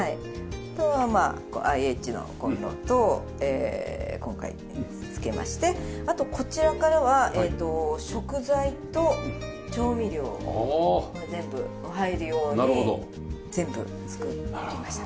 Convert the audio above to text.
あとはまあＩＨのコンロと今回付けましてあとこちらからは食材と調味料が全部入るように全部作りました。